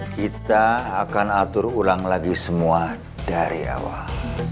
kita akan atur ulang lagi semua dari awal